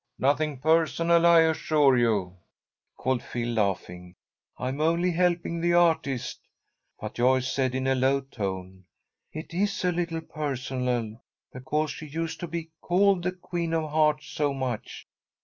"Nothing personal, I assure you," called Phil, laughing. "I'm only helping the artist." But Joyce said, in a low tone, "It is a little personal, because she used to be called the Queen of Hearts so much.